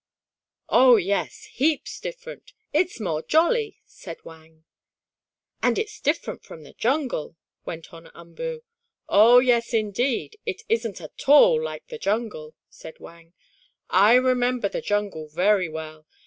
"Oh, yes, heaps different. It's more jolly," said Wang. "And it's different from the jungle," went on Umboo. "Oh, yes indeed! It isn't at all like the jungle," said Wang. "I remember the jungle very well.